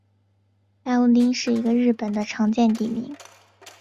大工町是一个日本的常见地名。